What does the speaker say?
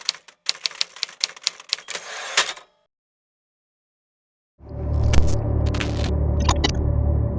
ขอบคุณนะครับ